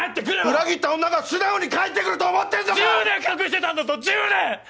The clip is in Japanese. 裏切った女が素直に帰って来ると思ってんのか⁉１０年隠してたんだぞ１０年！